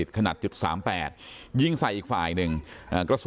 ท่านดูเหตุการณ์ก่อนนะครับ